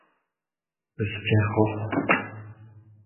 Eus pelec'h oc'h ?